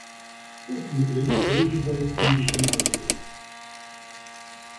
Fortunately, there is a way to do this analysis.